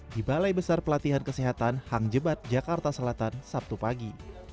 di balai besar pelatihan kesehatan hang jebat jakarta selatan sabtu pagi